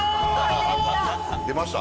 出ました。